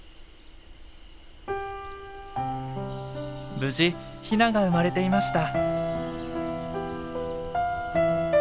無事ヒナが生まれていました。